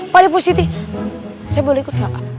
pak dipu siti saya boleh ikut nggak pak